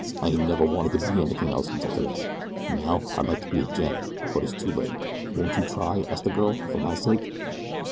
I ain't never wanted to be anything else until today. Now, I'd like to be a gent; but it's too late." "Won't you try?" asked the girl. "For my sake?"